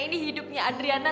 ini hidupnya adriana